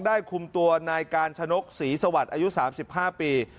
คุมตัวนายกาญชนกศรีสวัสดิ์อายุ๓๕ปี